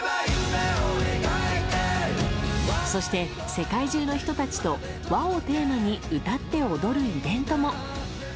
そして、世界中の人たちと「わ」をテーマに歌って踊るイベントも。